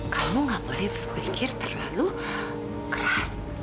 kamu gak boleh berpikir terlalu keras